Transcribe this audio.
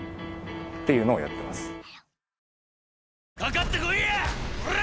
っていうのをやってます。